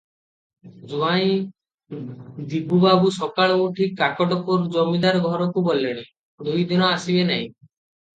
ଜୁଆଇଁ ଦିବୁବାବୁ ସକାଳୁ ଉଠି କାକଟପୁର ଜମିଦାର ଘରକୁ ଗଲେଣି, ଦୁଇ ଦିନ ଆସିବେ ନାହିଁ ।